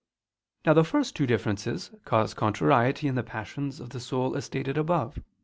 Now the first two differences cause contrariety in the passions of the soul, as stated above (A.